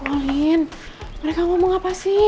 woh lin mereka ngomong apa sih